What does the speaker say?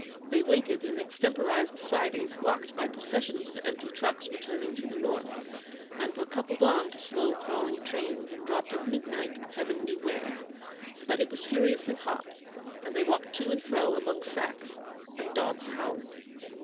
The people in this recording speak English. They waited in extemporised sidings blocked by processions of empty trucks returning to the north, and were coupled on to slow, crawling trains, and dropped at midnight, Heaven knew where; but it was furiously hot; and they walked to and fro among sacks, and dogs howled.